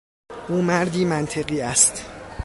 او مردی منطقی است.